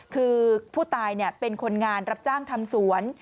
คือผู้ตายเป็นคนงานรับจ้างทำสวน